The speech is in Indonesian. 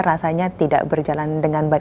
rasanya tidak berjalan dengan baik